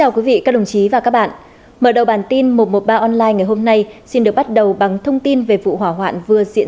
cảm ơn các bạn đã theo dõi